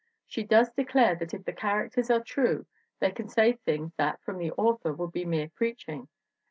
She does declare that if the characters are true they can say things that, from the author, would be mere preach ing.